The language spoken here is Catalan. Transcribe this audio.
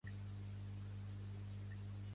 És autor d'unes quantes etiquetes de vins de La Rioja.